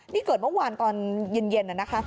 นี่เกิดเมื่อวานก่อนเย็น